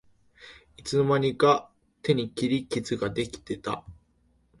いつの間にか手に切り傷ができてた